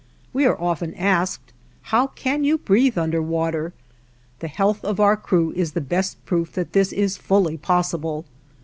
We are often asked, "How can you breathe under water?" The health of our crew is the best proof that this is fully possible.